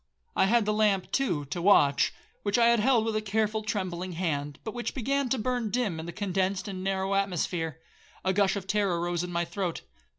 I had the lamp, too, to watch, which I had held with a careful trembling hand, but which began to burn dim in the condensed and narrow atmosphere. A gush of terror rose in my throat.